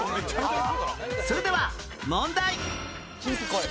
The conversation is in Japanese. それでは問題